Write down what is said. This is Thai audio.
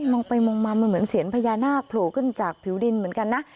มองไปมองมามันเหมือนเสียงพญานาคโผล่ขึ้นจากผิวดินเหมือนกันนะ